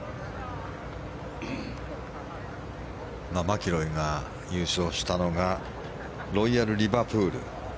マキロイが優勝したのがロイヤルリバプール。